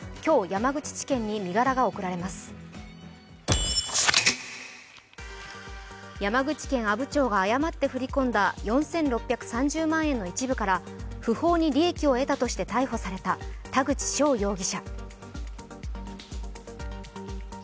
山口県阿武町が誤って振り込んだ４６３０万円の一部から不法に利益を得たとして逮捕された田口翔容疑者。